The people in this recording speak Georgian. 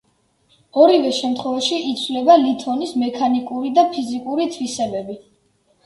ორივე შემთხვევაში იცვლება ლითონის მექანიკური და ფიზიკური თვისებები.